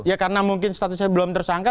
ya karena mungkin statusnya belum tersangka